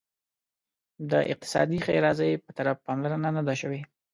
د اقتصادي ښیرازي په طرف پاملرنه نه ده شوې.